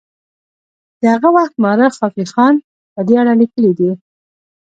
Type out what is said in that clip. د هغه وخت مورخ خافي خان په دې اړه لیکلي دي.